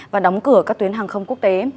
và đóng cửa các tuyến hàng không quốc tế